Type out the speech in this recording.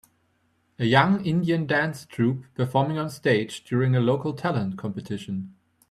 A young Indian dance troupe performing on stage during a local talent competition.